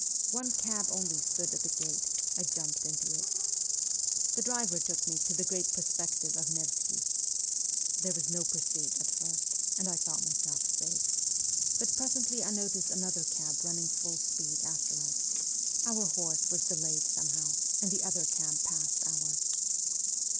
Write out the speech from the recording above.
One cab only stood at the gate ; I jumped into it. The driver took me to the great Perspective of Nevsky. There was no pursuit at first, and I thought myself safe ; but presently I noticed another cab running full speed after us ; our horse was delayed somehow, and the other cab passed ours.